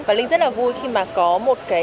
và linh rất là vui khi mà có một cái